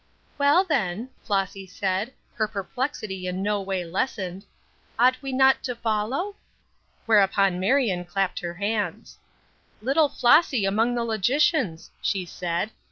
"Well, then," Flossy said, her perplexity in no way lessened, "ought we not to follow?" Whereupon Marion clapped her hands. "Little Flossy among the logicians!" she said.